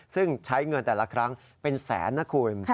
ซึ่งใช้เงินแต่ละครั้งเป็นแสนนะคุณ